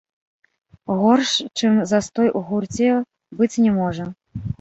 Горш, чым застой у гурце, быць не можа.